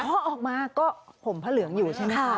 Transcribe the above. พอออกมาก็ห่มพระเหลืองอยู่ใช่ไหมคะ